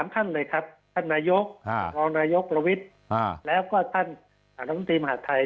ท่านเลยครับท่านนายกรองนายกประวิทย์แล้วก็ท่านรัฐมนตรีมหาดไทย